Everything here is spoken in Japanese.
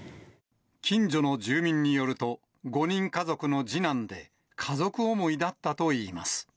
近所の住民によると、５人家族の次男で、家族思いだったといいます。